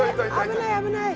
危ない危ない！